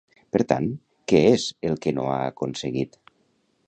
Per tant, què és el que no ha aconseguit?